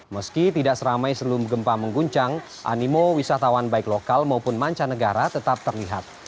meski tidak seramai sebelum gempa mengguncang animo wisatawan baik lokal maupun mancanegara tetap terlihat